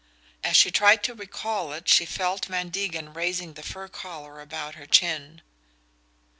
As she tried to recall it she felt Van Degen raising the fur collar about her chin.